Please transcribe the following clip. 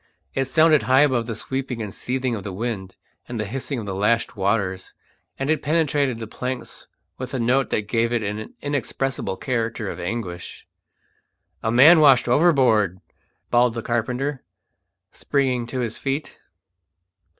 It sounded high above the sweeping and seething of the wind and the hissing of the lashed waters, and it penetrated the planks with a note that gave it an inexpressible character of anguish. "A man washed overboard!" bawled the carpenter, springing to his feet.